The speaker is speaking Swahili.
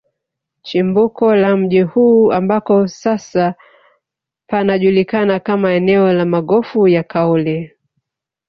Chimbuko la mji huu ambako sasa panajulikana kama eneo la magofu ya Kaole